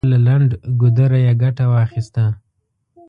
د سمندر له لنډ ګودره یې ګټه واخیسته.